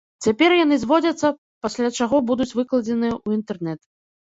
Цяпер яны зводзяцца, пасля чаго будуць выкладзеныя ў інтэрнэт.